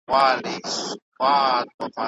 بايد تل له خدای څخه وويريږو.